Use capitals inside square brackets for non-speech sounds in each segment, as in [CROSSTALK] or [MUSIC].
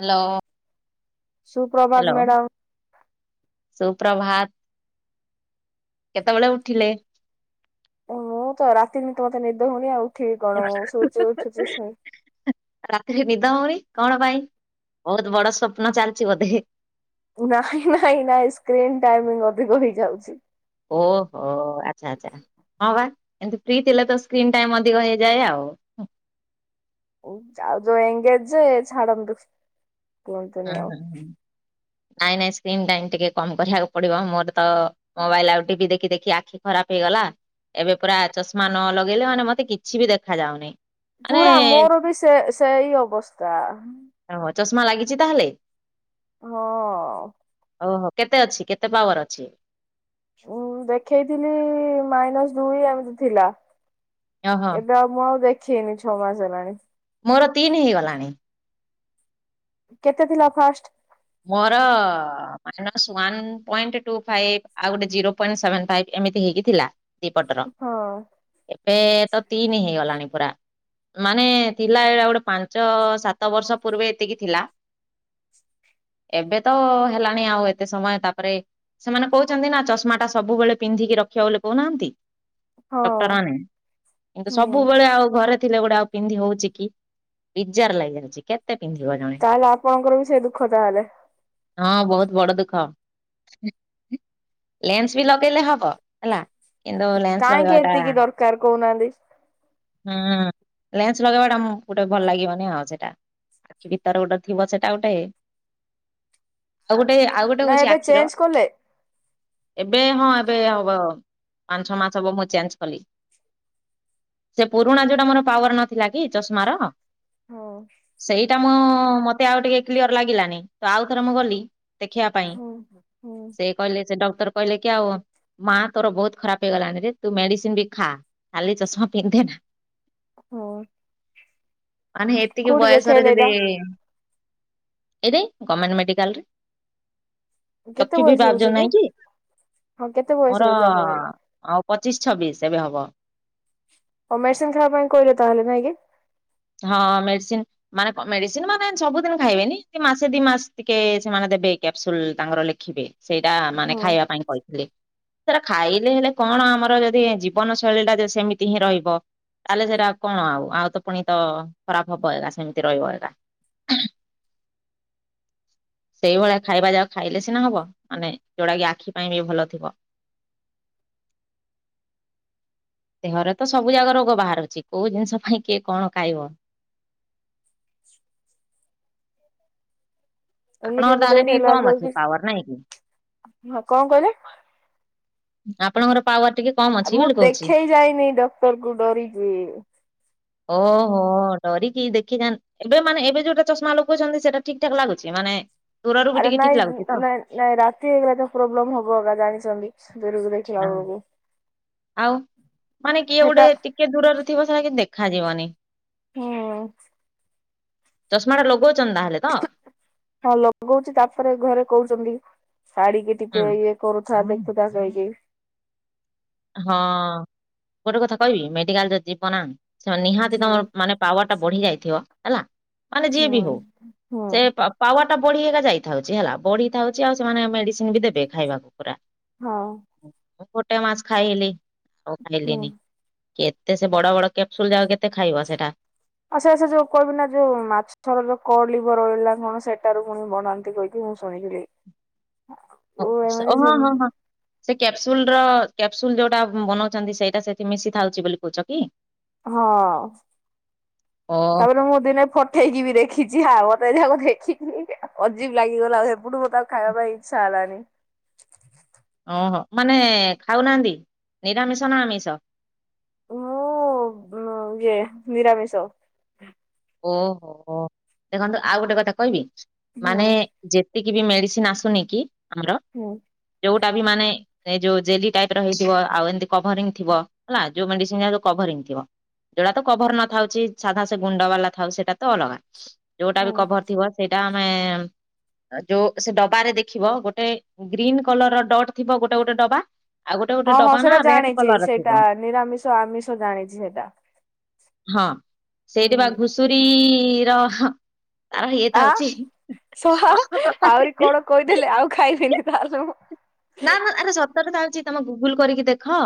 Hello. ସୁ ପ୍ରଭାତ hello madam. ସୁପ୍ରଭାତ। କେତେବେଳେ ଉଠିଲେ? ମୁଁ ତ ରାତିରେ ତ ମତେ ନିଦ ହଉନି ଆଉ ଉଠିକି କଣ ଶୁଉଛି ଉଠୁଛି ଶୁଇଁ। ରାତିରେ ନିଦ ହଉନି କଣ ପାଇଁ, ବହୁତ ବଡ ସ୍ୱପ୍ନ ଚାଲିଛି ବୋଧେ। ନାଇଁ ନାଇଁ ନାଇଁ ସ୍କ୍ରନ୍ ଟାଇମଂ ଅଧିକ ହେଇଯାଉଛି। ଓହୋ ଆଚ୍ଛା ଆଚ୍ଛା ହଁ ବା ଏମତି ଫ୍ରି ଥିଲେ ତ ସ୍କ୍ରିନ୍ ଟାଇମ ଅଧିକ ହେଇଯାଏ ଆଉ। ଆଉ ଯଉ ଏଙ୍ଗେଜ ଛାଡନ୍ତୁ। କୁହନ୍ତୁନି ହଁଁ ଆଉ। ନାଇଁ ନାଇଁ ସ୍କ୍ରିନ୍ ଟାଇମ ଟିକେ କମ କରିବାକୁ ପଡିବ। ମୋର ତ ମୋବାଇଲ ଆଉ ଟିଭି ଦେଖି ଦେଖି ଆଖି ଖରାପ ହେଇଗଲା। ଏବେ ପୁରା ଚଷମା ନ ଲଗେଇଲେ ମାନେ ମତେ କିଛି ବି ଦେଖା ଯାଉନି। ମାନେ ପୁରା ମୋର ବି ସେ ସେଇ ଅବସ୍ଥା। ଓହୋ ଚଶମା ଲାଗିଛି ତାହେଲେ? ହଁ। ଓହୋ କେତେ ଅଛି କେତେ ପାୱାର ଅଛି? ଉଁ ଦେଖେଇଥିଲି ମାଇନସ ଦୁଇ ଏମିତି ଥିଲା। ଓହୋ ଏବେ ମୁଁ ଆଉ ଦେଖେଇନି ଛଅ ମାସ ହେଲାଣି। ମୋର ତିନି ହେଇଗଲାଣି। କେତେ ଥିଲା ଫାଷ୍ଟ? ମୋର minus one point two five ଆଉ ଗୋଟେ ଜିରୋ ପଏଣ୍ଟ ସେଭେନ ଫାଇଭ୍ ଏମିତି ହେଇକି ଥିଲା ଦିପଟର। ହଁ। ଏବେ ତ ତିନି ହେଇଗଲାଣି ପୁରା। ମାନେ ଥିଲା ଏଇଟା ଗୋଟେ ପାଞ୍ଚ, ସାତ ବର୍ଷ ପୂର୍ବେ ଏତିକି ଥିଲା। ଏବେ ତ ହେଲାଣି ଆଉ ଏତେ ସମୟ ତାପରେ ସେମାନେ କହୁଛନ୍ତି ନା ଚଷମାଟା ସବୁବେଳେ ପିନ୍ଧିକି ରଖିବା ବୋଲି କହୁନାହାନ୍ତି। ହଁ ଡକ୍ଟରମାନେ କିନ୍ତୁ ହୁଁ ସବୁବେଳେ ଆଉ ଘରେ ଥିଲା ଗୋଟେ ଆଉ ପିନ୍ଧି ହଉଛି କି ବିଜାର ଲାଗି ଯାଉଛି କେତେ ପିନ୍ଧିବ ଜଣେ। ତାହେଲେ ଆପଣଙ୍କର ବି ସେ ଦୁଃଖ ତାହା ହେଲେ? ହଁ ବହୁତ ବଡ ଦୁଃଖ। ଲେନ୍ସ ବି ଲଗେଇଲେ ହବ ହେଲା। କିନ୍ତୁ ଲେନ୍ସ କାହିଁକି ଲଗେଇବାଟା ଏତିକି ଦରକାର କହୁନାହାନ୍ତି? ହୁଁ ଲେନ୍ସ ଲଗେଇବାଟା ଗୋଟେ ଭଲ ଲାଗିବନି ଆଉ ସେଇଟା। ସେ ଭିତରେ ଗୋଟେ ଥିବ ସେଟା ଗୋଟେ ଆଉ ଗୋଟେ ଆଉ ଗୋଟେ ନାଇଁ ହଉଛି ଏବେ ଆଖିର ଚେଞ୍ଜ କଲେ ଏବେ ହଁ ଏବେ ହବ ପାଞ୍ଚ, ଛଅ ମାସ ହବ ମୁଁ ଚେଞ୍ଜ କଲି। ସେ ପୁରୁଣା ଯୋଉଟା ମୋର ପାୱାର ନଥିଲା କି ଚଷମାର ହଁ ସେଇଟା ମୁଁ ମତେ ଆଉ ଟିକେ କ୍ଲିଅର ଲାଗିଲାନି ତ ଆଉଥରେ ମୁଁ ଗଲି ଦେଖିବା ପାଇଁ ହୁଁ ହୁଁ ସେ କହିଲେ ସେ ଡକ୍ଟର କହିଲେ କି ଆଉ ମା ତୋର ବୋହୁତ ଖରାପ ହେଇଗଲାଣି ରେ ତୁ ମେଡିସିନ ବି ଖା ଖାଲି ଚଷମା ପିନ୍ଧେ ନା। ହଁ। ମାନେ ଏତିକି ବୟସରେ ଦେଖେଇଲେ ଯେଦି ଏଇଟା ଏଇଟି ଗମେଣ୍ଟ ମେଡିକାଲରେ। କେତେ ଚକ୍ଷି ବି ବୟସ ବାର୍ଜ ହଉଛି ନାଇଁ କି ହଁ କେତେ ବୟସ ମୋର ହଉଛି ଆପଣଙ୍କୁ? ଆଉ ପଚିଶ୍ ଛବିଶ୍ ଏବେ ହବ। ହୋଉ ମେଡିସିନ୍ ଖବା ପାଇଁ କହିଲେ ତାହେଲେ ନାଇଁ କି? ହଁ ମେଡିସିନ୍ ମାନେ କଁ ମେଡିସିନି ମାନେ ସବୁଦିନି ଖାଇବେନି ସେ ମାସେ ଦି ମାସ ଟିକେ ସେମାନେ ଦେବେ କ୍ୟାପସୁଲ୍ ତାଙ୍କର ଲେଖିବେ। ସେଇଟା ମାନେ ହଁ ଖାଇବା ପାଇଁ କହିଥିଲେ। ସେରା ଖାଇଲେ ହେଲେ କଣ ଆମର ଯଦି ଜୀବନ ଶୈଳୀ ଟା ସେମିତି ହିଁ ରହିବ ତାହେଲେ ସେଇଟା କଣ ଆଉ ଆଉ ତ ଫୁଣି ତ ଖରାପ ହବ ଏରା ସେମିତି ରହିବ ଏଗା। ସେଇଭଳିଆ ଖାଇବା ଯା ଖାଇଲେ ସିନା ହବ ମାନେ ଯୋଉଟା କି ଆଖି ପାଇଁ ବି ଭଲ ଥିବ। ଦେହରେ ତ ସବୁ ଜାଗ ରୋଗ ବାହାରୁଚି କୋଉ ଜିନିଷ ପାଇଁ କିଏ କଣ? କାଇବ? ଏମିତି ଆପଣଙ୍କର ଗୋଟେ ତାହେଲେ ଟିକେ ହେଲା କମ ଅଛି କୋଉଚି ପାୱାର ନାଇଁ କି? ହଁ କଣ କହିଲେ? ଆପଣଙ୍କର ପାୱାର ଟିକେ କମ ଅଛି ଆଉ ମୁଁ ବୋଲି କହୁଛି। ଦେଖେଇ ଯାଇନି ଡକ୍ଟର କୁ ଡରିକି? ଓହୋ ଡରିକି ଦେଖିଜାନ୍ ଏବେ ମାନେ ଏବେ ଯୋଉଟା ଚଷ୍ମା ଲୋଗଚନ୍ତି ସେଇଟା ଠିକ୍ ଠାକ୍ ଲାଗୁଚି ମାନେ ଦୂରରୁ ବି ଆରେ ଟିକେ ନାଇଁ ଠିକ୍ ଲାଗୁଚି ତ? ନାଇଁ ନାଇଁ ରାତି ହେଇଗଲା ତ ପ୍ରୋବ୍ଲେମ ହବ ଗା ଗାଡୀ ଚଲେଇ ଜାଣିଚନ୍ତି ଦୂରେ ଦୂରେ? ହଁ ଆଉ ମାନେ କିଏ ସେଟା ଗୋଟେ ଟିକେ ଦୂର ରେଥିବ ସେରା କି ଦେଖାଯିବନି। ହୁଁ। ଚଷ୍ମା ଟା ଲଗୋଉଚନ୍ତି ତାହେଲେ ତ? ହଁ ଲଗୋଉଚି ତାପରେ ଘରେ କୋହୁଚନ୍ତି ଶାଢୀ କି ହୁଁ ଟିକେ ଇଏ କରୁଥା ଲେଖୁଥା ଯାଇକି? ହଁ ଗୋଟେ କଥା କହିବି ମେଡିକାଲରେ ଯିବନା ସେ ମାନେ ନିହାତି ହୁଁ ତମର ମାନେ ପାୱାର ଟା ବଢି ଯାଇଥିବ ହେଲା ମାନେ ଯିଏ ହୁଁ ବି ହୋଉ ହୁଁ। ସେ ପା ପାୱାର ଟା ବଢି ହେଇ ଏକକା ଯାଇଥାଉଛି ହେଲା ବଢି ଥାଉଛି ଆଉ ସେମାନେ ମେଡିସିନି ବି ଦେବେ ଖାଇବାକୁ ପୁରା। ହଁ। ମୁଁ ଗୋଟେ ମାସ୍ ଖାଇଲି ଆଉ ହୁଁ। ଖାଇଲିନି। କେତେ ସେ ବଡ ବଡ କ୍ୟାପସୁଲ ଯା କେତେ ଖାଇବା ସେଇଟା। ଆଉ ସେ ସେ ଯୋଉ କହିବି ନା ଯୋଉ ମାଛର ଯୋଉ କ ଲିବ ରହିଲା କଣ ସେଟାରୁ ପୁଣି ବନାନ୍ତି କହିି ହଁ ଶୋହିଲିଲି। ହୋଉ ହଁ ହଁ ହଁ। ସେ କ୍ୟାପସୁଲ୍ ର କ୍ୟାପସୁଲ୍ ଯେଉଟା ବନୋଉଚନ୍ତି ସେଇଟା ସେଇଠି ମିଶିଥାଉଚି ବୋଲି କୋହୁଚ କି? ହଁ ଓହୋ ତାପରେ ମୁଁ ଦିନେ ଫଟ ଉଠେଇକି ବି ଦେଖିଛି ହ ମତେ ଯାକ ଦେଖିକି ଅଜୀବ ଲାଗିଗଲା ଆଉ ସେପଠୁ ମତେ ଆଉ ଖାଇବା ପାଇଁ ଇଚ୍ଛା ହେଲାନି। ଓହୋ ମାନେ ଖାଉନାହାନ୍ତି ନିରାମିଷ ନା ଆମିଷ। ମୁଁ ଇଏ ନିରାମିଷ। ଓହୋ ଦେଖନ୍ତୁ ଆଉ ଗୋଟେ କଥା କହିବି ହୁଁ ମାନେ ଯେତିକି ବି ମେଡିସିନି ଆସୁନି କି ଆମର। ହୁଁ। ଯୋଉଟା ବି ମାନେ ସେ ଯୋଉ ଜେଲି ଟାଇପ୍ ର ହେଇଥିବ ଆଉ ଏନ୍ତି କଭରିଙ୍ଗ୍ ଥିବ ହେଲା ଯୋଉ ମେଡିସିନ୍ଆ ଯଉ କଭରିଙ୍ଗ୍ ଥିବ। ଯୋଉଟା ତ କଭର୍ ନଥାଉଛି ସାଧା ସେ ଗୁଣ୍ଡ ବାଲା ଥାଉ ସେଇଟା ତ ଅଲଗା ଯୋଉଟା ବି ହୁଁ। କଭର୍ ଥିବ ସେଇଟା ଆମେ ଯୋଉ ସେ ଡବାରେ ଦେଖିବ ଗୋଟେ ଗ୍ରୀନ୍ କଲର୍ ଡଟ୍ ଥିବ ଗୋଟେ ଗୋଟେ ଡବା। ଆଉ ଗୋଟେ ଗୋଟେ ହଁ ହଁ ଡବା ନା ସେଇଟା ରେଡ୍ ଜାଣିଛି କଲର ର ଥିବ ସେଇଟା ନିରାମିଷ ଆମିଷ ଜାଣିଛି ସେଇଟା। ହଁ ସେଇଠି ବା ହୁଁ। ଘୁଷୁରୀ ର ତାର ଇଏ ଆ ଥାଉଛି। ଶଆ ଆହୁରି କଣ କହିଦେଲେ ଆଉ ଖାଇବିନି ତାହେଲେ ମୁଁ। ନା ନା ଏଇଟା ସ ତରେ ଖାଉଛି ତମେ ଗୁଗୁଲ୍ କରିକି ଦେଖ।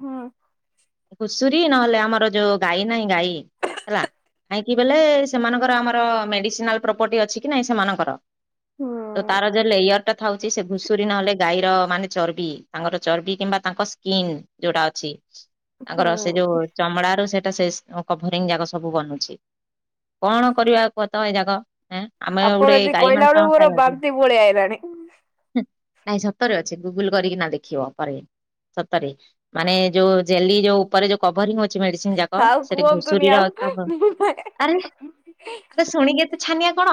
ହୁଁ। ଖୁଷୁରୀ ନହେଲେ ଆମର ଯୋଉ ଗାଈ ନାହିଁ ଗାଈ? ହେଲା କାହିଁକି ବଲେ ସେମାନଙ୍କର ଆମର ମେଡିସିନାଲ୍ ପ୍ରପର୍ଟି ଅଛି କି ନାଇଁ ସେମାନଙ୍କର? ତ ହୁଁ। ତାର ଯା ଲେୟର୍ ଟା ଥାଉଛି ସେ ଘୁଷୁରୀ ନହେଲେ ଗାଈର ମାନେ ଚର୍ବି ତାଙ୍କର ଚର୍ବି କିମ୍ବା ତାଙ୍କ ସ୍କିନ୍ ଯୋଉଟା ଅଛି। ତାଙ୍କର ସେ ଯୋଉ ହୁଁ ଚମଡା ରୁ ସେ ଟ ସେସ୍ କ କଭରିଙ୍ଗ୍ ଜାଗା ସବୁ ବନୁଛି କଣ କରିବା କୁହ ତ ଏଇ ଜାଗଁ ଏଁ। ଆମେ ଆପଣ ଗୋଟେ ଯଦି ଗାଈ କହିଲା ମାଂସ ବେଳକୁ ଆମେ ମୋର ଖାଇବାକୁ ବାନ୍ତି ଭଳିଆ ଆଇଗଲାଣି। ନାଇଁ ସତରେ ଅଛି ଗୁଗୁଲ୍ କରିକି ନା ଦେଖିବ ପରେ। ସତରେ ମାନେ ଯୋଉ ଜେଲି ଯୋଉ ଉପରେ ଯୋଉ କଭରିଂ ଅଛି ମେଡିସିନ୍ ଯା କ ଥାଉ ସେଠି କୁହନ୍ତୁନି ଘୁଷୁରୀର ଆଉ [UNINTELLIGIBLE] ଆରେ ମତେ ଶୁଣିକି ଏତେ ଛାନିଆ କଣ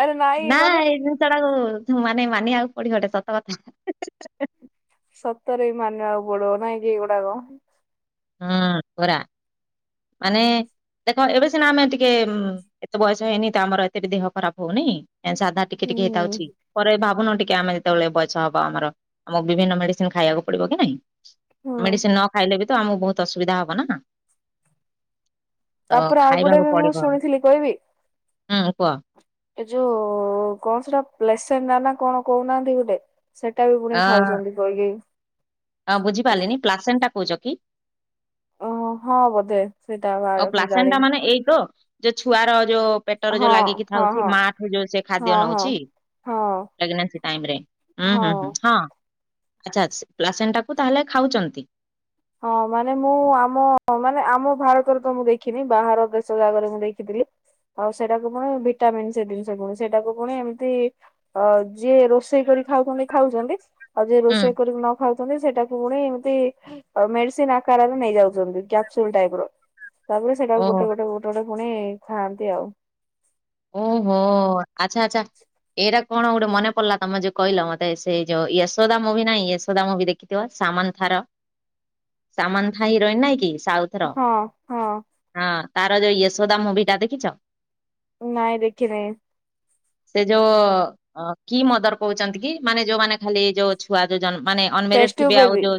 ଆରେ ନାଇଁ ନା ମାନେ ଏ ଜିନ୍ଷ ଟାକୁ ମାନେ ମାନିବାକୁ ପଡି ଏଇଟା ସତ କଥା। ସତରେ ବି ମାନିବାକୁ ପଡିବ ନାଇଁ କି ଏଇଗୁଡାକ। ହୁଁ ପରା ମାନେ ଦେଖ ଏବେ ସିନା ଆମେ ଟିକେ ଏତେ ବୟସ ହେଇନି ତ ଆମର ଏତେ ବି ଦେହ ଖରାପ୍ ହଉନି ଏ ସାଧା ଟିକେ ଟିକେ ହୁଁ ହେଇଥାଉଛି। ପରେ ଭାବୁନ ଟିକେ ଆମେ ଯେତେବେଳେ ବୟସ ହବ ଆମର ଆମକୁ ବିଭିନ୍ନ ମେଡିସିନ୍ ଖାଇବାକୁ ପଡିବ କି ନାଇଁ? ହୁଁ। ମେଡିସିନ୍ ନ ଖାଇଲେ ବି ତ ଆମକୁ ବହୁତ୍ ଅସୁବିଧା ହବ ନା। ତ ତାପରେ ଆଉ ଗୋଟେ ଖାଇବାକୁ ବି ମୁଁ ପଡିବ ଶୁଣିଥିଲି କହିବି ହୁଁ କୁହ? ଏ ଯୋଉ କଣ ସେଟା ପ୍ଲେସେଣ୍ଟା ନା କଣ କହୁନାହାନ୍ତି ଗୁଟେ? ସେଟା ବି ପୁଣି ଖାଉଛନ୍ତି କହିଗେଇ। ହଁ ବୁଝି ପାର୍ଲିନି ପ୍ଲାସେନ୍ଟା କହୁଚ କି? ଓ ହଁ ବୋଧେ। ସେଇଟା ବା ଆଉ ପ୍ଲାସେନ୍ଟା ମାନେ ଏଇ ତ ଯୋଉ ଛୁଆର ଯୋଉ ପେଟରେ ଯୋଉ ହଁ ଲାଗିକି ହଁ ଥାଉଛି ହଁ ମା ଯଉ ସେ ଖାଦ୍ୟ ହଁ ହଁ। ନଉଛି ହଁ ପେଗେନେନ୍ସି ଟାଇମ୍ ରେ ହୁଁ ହୁଁ ହଁ। ଆଚ୍ଛା ଆସି ପ୍ଲାସେନ୍ ଟାକୁ ତାହେଲେ ଖାଉଚନ୍ତି? ହଁ ମାନେ ମୁଁ ଆମ ମାନେ ଆମ ଭାରତରେ ତ ମୁଁ ଦେଖିନି ବାହାର ଦେଶ ଜାକରେ ମୁଁ ଦେଖିଥିଲି। ଆଉ ସେଇଟାକୁ ପୁଣି ଭିଟାମିନ୍ ସେ ଦିନ୍ଷ ପୁଣି ସେଇଟାକୁ ପୁଣି ଏମ୍ତି ଅ ଯିଏ ରୋଷେଇ କରି ଖାଉଛନ୍ତି ଖାଉଛନ୍ତି ଆଉ ଯିଏ ହୁଁ ରୋଷେଇ କରିକି ନ ଖାଉଛନ୍ତି ସେଟାକୁ ପୁଣି ଏମିତି ଅ ମେଡିସିନ୍ ଆକାରରେ ନେଇଯାଉଛନ୍ତି। କ୍ୟାପ୍ ସୁଲ୍ ଟାଇପ୍ ର ତାପରେ ସେଇଟାକୁ ଓହୋ ଗୋଟେ ଗୋଟେ ଗୋଟେ ଗୋଟେ ପୁଣି ଖାଆନ୍ତି ଆଉ। ଉଁ ହୁଁ ଆଚ୍ଛା ଆଚ୍ଛା। ଏଇଟା କଣ ଗୋଟେ ମନେ ପଡ଼ିଲା ତମ ଯୋଉ କହିଲ ମତେ ସେଇ ଯୋଉ ୟଶୋଦା ମୁଭି ନାଇଁ ୟଶୋଦା ମୁଭି ଦେଖି ସାମନ୍ଥା ର ସାମନ୍ଥା ହିରୋଇନ ନାଇଁ କି ସାଉଥ ହଁ ହଁ। ହଁ ତାର ଯୋଉ ୟଶୋଦା ମୁଭି ଟା ଦେଖିଛ। ନାଇଁ ଦେଖି ନାହିଁ। ସେ ଯୋଉ କି ମଦର କହୁଛନ୍ତି କି ମାନେ ଯୋଉମାନେ ଖାଲି ଯୋଉ ଛୁଆ ଯଉ ଯନ୍ ମାନେ ଅନ୍‌ମ୍ୟାରେଡ ଟେଷ୍ଟି ଥିବେ ଆଉ ବେବି ଯୋଉ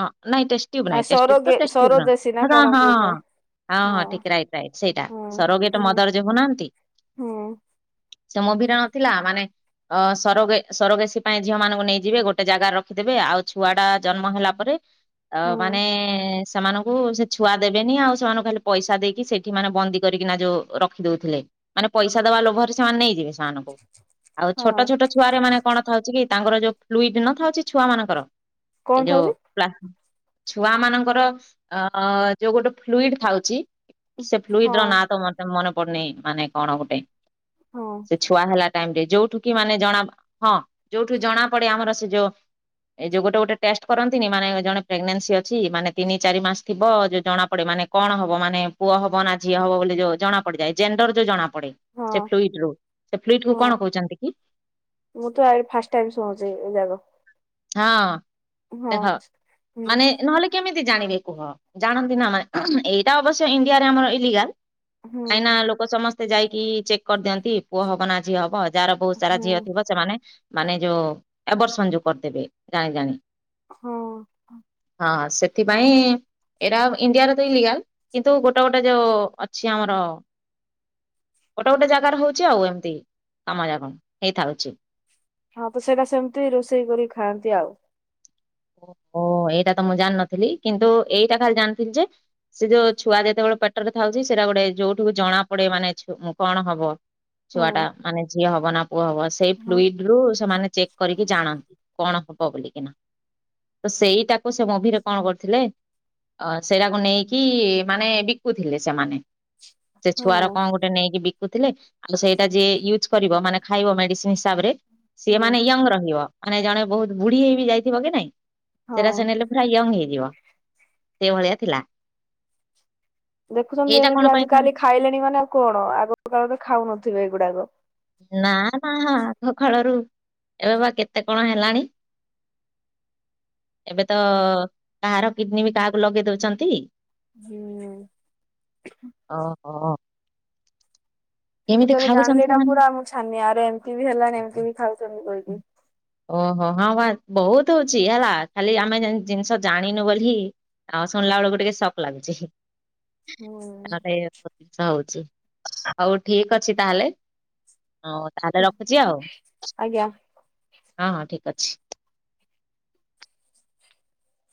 ଅ ନାଇ ଟେଷ୍ଟ ଟ୍ୟୁବ ନା ନାହିଁ ଟେଷ୍ଟ ସର ଟ୍ୟୁବ ତ ଟେଷ୍ଟ ସର ଟ୍ୟୁବର ଦେଶୀ ନା ସେଡା କଣ ହଁ କହୁଛ ହଁ ହଁ ଠିକ ରାଇଟ ରାଇଟ୍ ସେଇଟା ହୁଁ ସରୋଗେଟ ହୁଁ ମଦର ଯଉ ହଉନାହାନ୍ତି। ହୁଁ। ସେ ମୋଭିରେ ନଥିଲା ମାନେ ଅ ସରୋଗେ ସରଗେଶୀ ପାଇଁ ଝିଅ ମାନଙ୍କୁ ନେଇଯିବେ ଗୋଟେ ଜାଗାରେ ରଖିଦେବେ ଆଉ ଛୁଆ ଟା ଜନ୍ମ ହେଲା ପରେ ଆ ହୁଁ ମାନେ ସେମାନଙ୍କୁ ସେ ଛୁଆ ଦେବେନି ଆଉ ସେମାନଙ୍କୁ ଖାଲି ପଇସା ଦେଇକି ସେଇଠି ମାନେ ବନ୍ଦୀ କରିକିନା ଯୋଉ ରଖିଦଉଥିଲେ। ମାନେ ପଇସା ଦବା ଲୋଭରେ ସେମାନେ ନେଇଯିବେ ସେମାନଙ୍କୁ ଆଉ ଛୋଟ ହଁ। ଛୋଟ ଛୁଆରେ ମାନେ କଣ ଥାଉଛି କି ତାଙ୍କର ଯୋଉ ଫ୍ଲୁଇଡ ନଥାଉଛି ଛୁଆ ମାନଙ୍କର ଏଇ କଣ ଯୋଉ ଥାଉଛି ଲା ଛୁଆ ମାନଙ୍କର ଆ ଯୋଉ ଗୋଟେ ଫ୍ଲୁଇଡ ଥାଉଛି ସେ ହଁ ଫ୍ଲୁଇଡ ର ନାଁ ତ ମତେ ମନେ ପଡୁନି ମାନେ କଣ ଗୋଟେ ହଁ। ସେ ଛୁଆ ହେଲା ଟାଇମ ରେ ଯୋଉଠୁ କି ମାନେ ଜଣା ହଁ ଯୋଉଠୁ ଜଣା ପଡେ ଆମର ସେ ଯୋଉ ଏଇ ଯୋଉ ଗୋଟେ ଗୋଟେ ଟେଷ୍ଟ କରନ୍ତିନି ମାନେ ଜଣେ ପ୍ରେଗନେନ୍ସି ଅଛି ମାନେ ତିନି ଚାରି ମାସ ଥିବ ଯୋଉ ଜଣା ପଡେ ମାନେ କଣ ହବ ମାନେ ପୁଅ ହବ ନା ଝିଅ ହବ ବୋଲି ଯୋଉ ଜଣା ପଡ଼ିଯାଏ ଜେଣ୍ଡର ଯୋଉ ଜଣା ପଡେ ହଁ ସେ ଫ୍ଲୁଇଟ ରୁ ସେ ଫ୍ଲୁଇଟ କୁ ହଁ କଣ କହୁଛନ୍ତି କି? ମୁଁ ତ ଆ ଫାଷ୍ଟ ଟାଇମ ଶୁଣୁଛି ଏ ଯାଗ। ହଁ ଦେଖ ହୁଁ ମାନେ ନହେଲେ କେମିତି ଜାଣିବେ କୁହ ଜାଣନ୍ତି ନା ମାନେ ଏଇଟା ଅବଶ୍ୟ ଇଣ୍ଡିଆରେ ଆମର ଇଲଲିଗାଲ। ହୁଁ କାହିଁକି ନା ଲୋକ ସମସ୍ତେ ଯାଇକି ଚେକ୍ କରିଦିଅନ୍ତି ପୁଅ ହବ ନା ଝିଅ ହବ ଯାହାର ବହୁତ ସାରା ହୁଁ ଝିଅ ଥିବ ସେମାନେ ମାନେ ଯୋଉ ୟାବର୍ସନ ଯୋଉ କରିଦେବେ ଜାଣି ଜାଣି। ହଁ। ହଁ ସେଥିପାଇଁ ଏଇଟା ଇଣ୍ଡିଆରେ ତ ଇ ଲିଗାଲ କିନ୍ତୁ ଗୋଟେ ଗୋଟେ ଯୋଉ ଅଛି ଆମର ଗୋଟେ ଗୋଟେ ଜାଗାରେ ହଉଛି ଆଉ ଏମିତି କାମଜାକ ହେଇଥାଉଛି। ହଁ ତ ସେଇଟା ସେମିତି ରୋଷେଇ କରିକି ଖାଆନ୍ତି ଆଉ। ଓହୋ ଏଇଟା ତ ମୁଁ ଜାଣିନଥିଲି କିନ୍ତୁ ଏଇଟା ଖାଲି ଜାଣିଥିଲି ଯେ ସେ ଯୋଉ ଛୁଆ ଯେତେବେଳେ ପେଟରେ ଥାଉଛି ସେଇଟା ଗୋଟେ ଯୋଉଠି ଜଣା ପଡେ ମାନେ ଜ କଣ ହବ। ହୁଁ ଛୁଆ ଟା ମାନେ ଯିଅ ହବ ନା ପୁଅ ହବ ସେଇ ହଁ ଫ୍ଲୁଇଡ ରୁ ସେମାନେ ଚେକ୍ କରିକି ଜାଣନ୍ତି କଣ ହବ ବୋଲିକି ନା। ତ ସେଇଟାକୁ ସେ ମୁଭି ରେ କଣ କରିଥିଲେ ଅ ସେଇଟାକୁ ନେଇକି ମାନେ ବିକୁଥିଲେ ସେମାନେ। ସେ ଛୁଆର ହଁ କଣ ଗୋଟେ ନେଇକି ବିକୁଥିଲେ। ଆଉ ସେଇଟା ଯିଏ ୟୁଜ୍ କରିବ ମାନେ ଖାଇବ ମେଡିସିନ ହିସାବରେ ସିଏ ହୁଁ ମାନେ ୟଙ୍ଗ ରହିବ। ମାନେ ଜଣେ ବହୁତ ବୁଢୀ ହେଇ ବିି ଯାଇଥିବ କି ନାଇଁ। ହଁ ସେଟା ସେ ନେଲେ ପୁରା ୟଙ୍ଗ ହେଇଯିବ ସେଇ ଭଳିଆ ଥିଲା। ଦେଖୁଛନ୍ତି ଏଇଟା କଣ ଏମିତି ପାଇଁ ଆଜି କାଲି ଖାଆନ୍ତି? ଖାଇଲେଣି ମାନେ ଆଉ କଣ ଆଗ କାଳରେ ଖାଉନଥିବେ ଏଗୁଡାକ। ନା ନା ଆଗ କାଳରୁ ଏବେ ବା କେତେ କଣ ହେଲାଣି। ଏବେ ତ କାହାର କିଡନୀ ବି କାହାକୁ ଲଗେଇ ଦଉଚନ୍ତି। ହୁଁ! ଓହୋ। ମୁଁ ତ କେମିତି ଯେବେ ଜାଣିଲି ଖାଉଛନ୍ତି ଏଟା ସେମାନେ ପୁରା ମୁଁ ଛାନି ଆରେ ଏମିତି ବି ହେଲାଣିି ଏମିତି ବି ଖାଉଛନ୍ତି କହିକି। ଓହୋ ହଁ ବା ବହୁତ୍ ହଉଚି ହେଲା ଖାଲି ଆମେ ଜିନ୍ ଜିନିଷ ଜାଣିନୁ ବୋଲି। ନ ଶୁଣିଲା ବେଳକୁ ଟିକେ ଶକ୍ ଲାଗୁଚି। [UNINTELLIGIBLE] ହୁଁ ଷା ହଉଚି ହଉ ଠିକ୍ ଅଛି ତାହେଲେ ହଉ। ତାହେଲେ ରଖୁଚି ଆଉ। ଆଜ୍ଞା ହଁ ହଁ ଠିକ୍ ଅଛି।